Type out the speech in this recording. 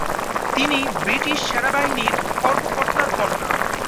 তিনি ব্রিটিশ সেনাবাহিনীর কর্মকর্তার কন্যা।